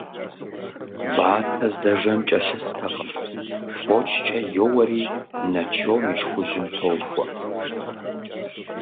Батэ здэжэм кӀэлъыстэкъыми, фочкӀэ йоуэри Начом и шхужьым тохуэ.